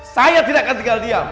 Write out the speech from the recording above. saya tidak akan tinggal diam